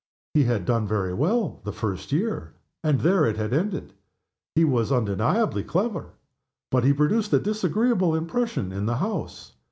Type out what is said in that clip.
He had done very well the first year, and there it had ended. He was undeniably clever, but he produced a disagreeable impression in the House.